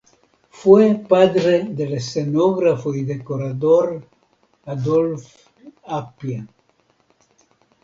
Fue padre del escenógrafo y decorador Adolphe Appia.